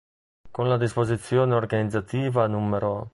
Con la "Disposizione Organizzativa" n.